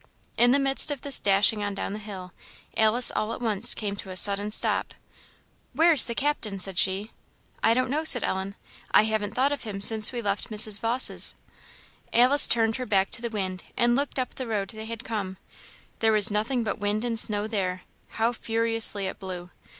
In the midst of this dashing on down the hill, Alice all at once came to a sudden stop. "Where's the Captain?" said she. "I don't know," said Ellen "I haven't thought of him since we left Mrs. Vawse's." Alice turned her back to the wind, and looked up the road they had come there was nothing but wind and snow there; how furiously it blew!